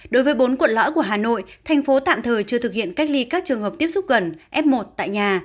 đối với bốn quận lõi của hà nội thành phố tạm thời chưa thực hiện cách ly các trường hợp tiếp xúc gần f một tại nhà